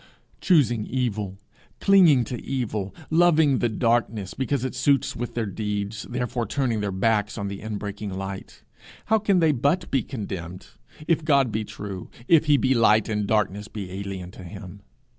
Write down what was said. Choosing evil, clinging to evil, loving the darkness because it suits with their deeds, therefore turning their backs on the inbreaking light, how can they but be condemned if God be true, if he be light, and darkness be alien to him!